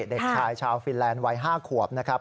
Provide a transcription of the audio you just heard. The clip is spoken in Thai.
เด็กชายชาวฟินแลนด์วัย๕ขวบนะครับ